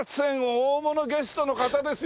大物ゲストの方ですよね？